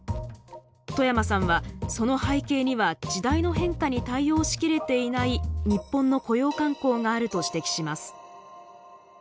冨山さんはその背景には時代の変化に対応しきれていない日本の雇用慣行があると指摘します。